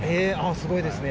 すごいですね。